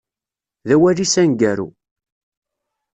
D awal-is aneggaru.